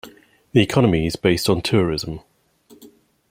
The economy is based on tourism.